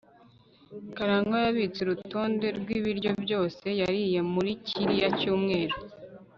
karangwa yabitse urutonde rwibiryo byose yariye muri kiriya cyumweru